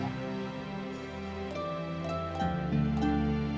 kata kang mus